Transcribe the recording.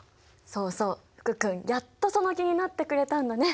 そうそう福君やっとその気になってくれたんだね。